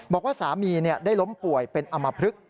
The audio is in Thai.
บอกว่าสามีได้ล้มป่วยเป็นอำมพลึก